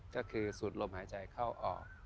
ก็คือสูดลมหายใจเข้าออก